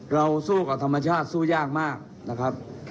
สู้กับธรรมชาติสู้ยากมากนะครับ